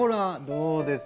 どうです？